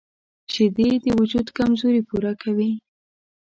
شیدې د وجود کمزوري پوره کوي